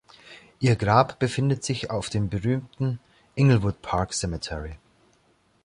Ihr Grab befindet sich auf dem berühmten Inglewood Park Cemetery.